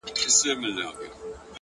علم د فکر ځواک دی.